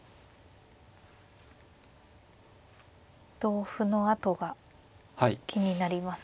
同歩のあとが気になりますが。